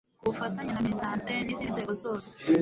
ku bufatanye na MINISANTE n izindi nzego zose